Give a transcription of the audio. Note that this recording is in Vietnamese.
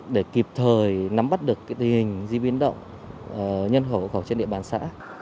để kịp thời nắm bắt được cái tình hình di biến động nhân hậu khỏi trên địa bàn xã